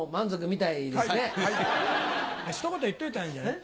ひと言言っといたらいいんじゃない？